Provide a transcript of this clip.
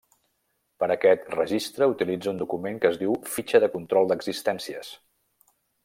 Per a aquest registre utilitza un document que es diu fitxa de control d'existències.